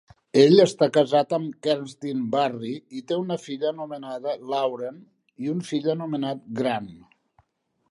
Ell està casat amb Kerstin Barry i té una filla anomenada Lauren i un fill anomenat Grant.